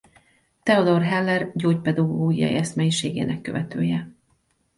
Theodor Heller gyógypedagógiai eszmeiségének követője.